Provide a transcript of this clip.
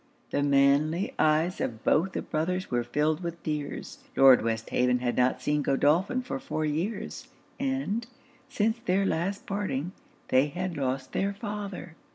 The manly eyes of both the brothers were filled with tears. Lord Westhaven had not seen Godolphin for four years; and, since their last parting, they had lost their father.